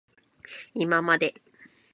いままで